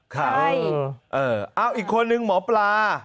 ใครเอาอีกคนนึงหมอปลา